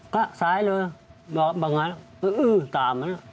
ก็สายเลยบอกบางอย่างอื้อตาม